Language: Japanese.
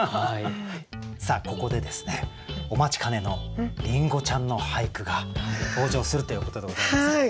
さあここでですねお待ちかねのりんごちゃんの俳句が登場するということでございますけれども。